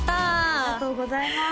ありがとうございます